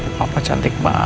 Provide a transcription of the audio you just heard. anaknya papa cantik banget